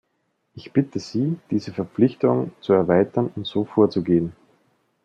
Ich bitte Sie, diese Verpflichtung zu erweitern und so vorzugehen.